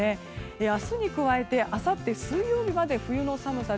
明日に加えてあさって水曜日まで冬の寒さで